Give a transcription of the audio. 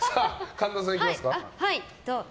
神田さん、いきますか。